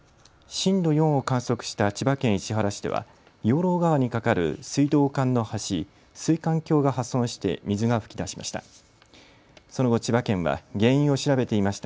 震度４を観測した千葉県市原市では養老川に架かる水道管の橋、水管橋が破損して水が噴き出しました。